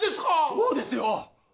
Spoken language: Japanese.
そうですよ。